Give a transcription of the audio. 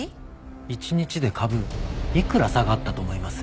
１日で株いくら下がったと思います？